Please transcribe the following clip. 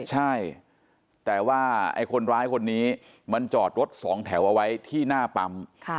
ใช่แต่ว่าไอ้คนร้ายคนนี้มันจอดรถสองแถวเอาไว้ที่หน้าปั๊ม